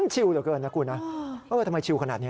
ชิวเหลือเกินนะคุณนะทำไมชิวขนาดนี้